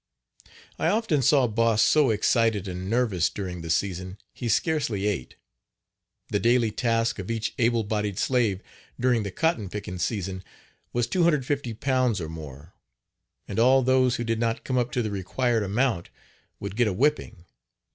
I often saw Boss so excited and nervous during the season he scarcely ate. The daily task of each able bodied slave during the cotton picking season war 250 pounds or more, and all those who did not come up to the required amount would get a whipping.